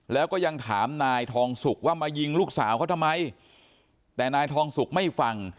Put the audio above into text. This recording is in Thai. แล้วก็ยังถามนายทองสุกว่ามายิงลูกสาวเขาทำไมแต่นายทองสุกไม่ฟัง